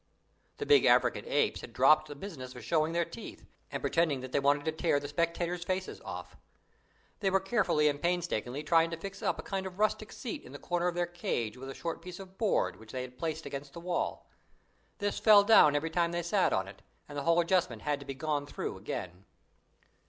The big African apes had dropped the "business" of showing their teeth, and pretending that they wanted to tear the spectators' faces off. They were carefully and painstakingly trying to fix up a kind of rustic seat in the corner of their cage with a short piece of board, which they placed against the wall. This fell down every time they sat on it, and the whole adjustment had to be gone through again.